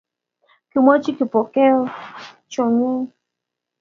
Kimwoch Kipokeo chorwenyi